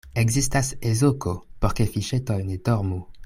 Ekzistas ezoko, por ke fiŝetoj ne dormu.